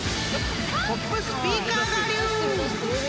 ［コップスピーカー我流！］